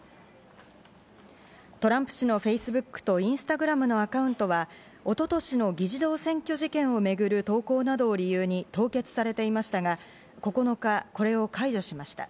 トランプ氏のフェイスブックとインスタグラムのアカウントは、一昨年の議事堂占拠事件をめぐる投稿などを理由に凍結されていましたが、９日、これを解除しました。